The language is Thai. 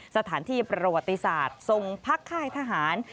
สถานที่ประวัติศาสตร์ทรงพักค่ายทหาร